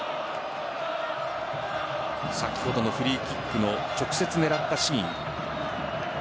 先ほどのフリーキックの直接狙ったシーン。